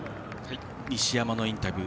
西山のインタビュー